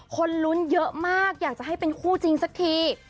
คนลุ้นเยอะมากอยากจะให้เป็นคู่จริงสักที